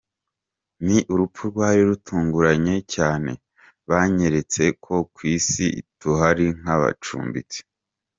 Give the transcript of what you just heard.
Ni urupfu rwari rutunguranye cyane, byanyeretse ko ku Isi tuhari nk’abacumbitsi.